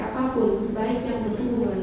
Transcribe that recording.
apapun baik yang berhubungan